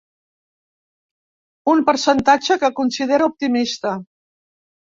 Un percentatge que considera optimista.